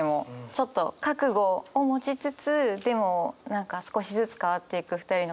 ちょっと覚悟を持ちつつでも何か少しずつ変わっていく２人の関係性